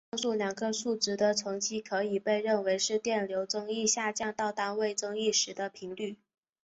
上述两个数值的乘积可以被认为是电流增益下降到单位增益时的频率。